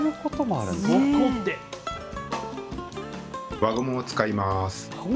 輪ゴムを使います。